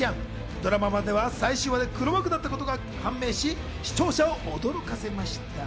ドラマ版では最終話で黒幕だったことが判明し、視聴者を驚かせました。